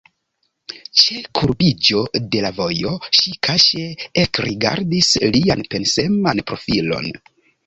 Ĉe kurbiĝo de la vojo ŝi kaŝe ekrigardis lian penseman profilon.